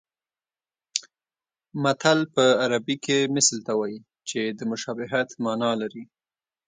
متل په عربي کې مثل ته وایي چې د مشابهت مانا لري